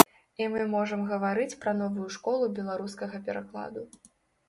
І мы можам гаварыць пра новую школу беларускага перакладу.